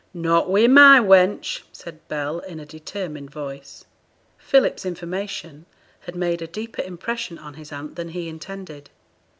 'Not wi' my wench,' said Bell, in a determined voice. Philip's information had made a deeper impression on his aunt than he intended.